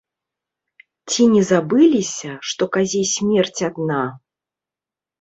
Ці не забыліся, што казе смерць адна?